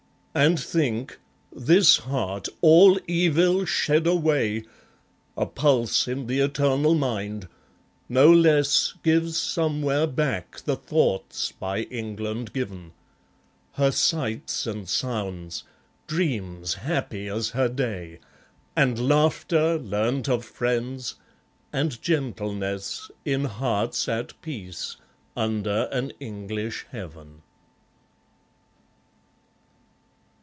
And think, this heart, all evil shed away, A pulse in the eternal mind, no less Gives somewhere back the thoughts by England given; Her sights and sounds; dreams happy as her day; And laughter, learnt of friends; and gentleness, In hearts at peace, under an English heaven.